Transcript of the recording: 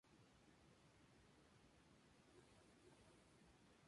No se han identificado subespecies.